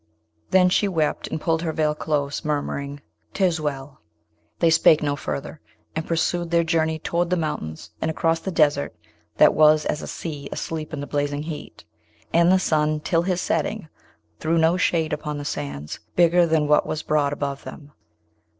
Then she wept, and pulled her veil close, murmuring, ''Tis well!' They spake no further, and pursued their journey toward the mountains and across the desert that was as a sea asleep in the blazing heat, and the sun till his setting threw no shade upon the sands bigger than what was broad above them.